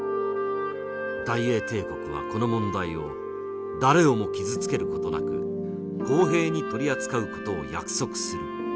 大英帝国はこの問題を誰をも傷つける事なく公平に取り扱う事を約束する。